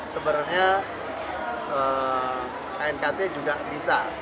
sebenarnya knkt juga bisa